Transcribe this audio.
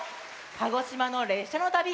鹿児島のれっしゃのたび。